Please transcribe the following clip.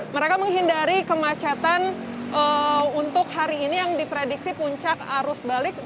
mereka menghindari kemacetan untuk hari ini yang diprediksi puncak arus balik enam ratus tujuh puluh delapan